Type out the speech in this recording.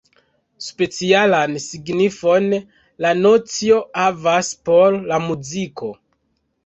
Specialan signifon la nocio havas por la muziko.